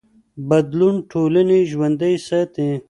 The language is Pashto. بدلون ټولنې ژوندي ساتي